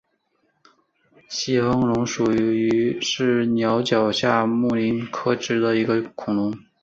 西风龙属是鸟脚下目棱齿龙科的一属恐龙。